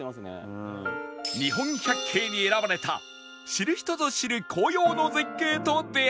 日本百景に選ばれた知る人ぞ知る紅葉の絶景と出会う事に